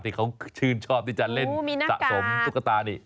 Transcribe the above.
ที่เขาชื่นชอบที่จะเล่นสะสมตุ๊กตานี่